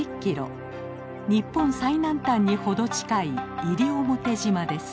日本最南端に程近い西表島です。